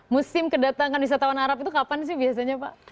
musim kedatangan wisatawan arab itu kapan sih biasanya pak